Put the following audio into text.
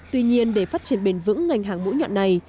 tuy nhiên để phát triển bền vững ngành hàng mũi nhọn này